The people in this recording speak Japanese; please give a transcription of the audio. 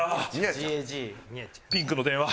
ピンクの電話。